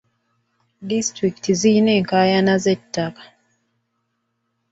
Disitulikiti zirina enkaayana z'ettaka.